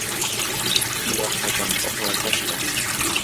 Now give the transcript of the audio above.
yuraq hakaami uqrakashqa.